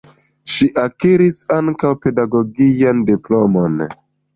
Ŝi akiris ankaŭ pedagogian diplomon.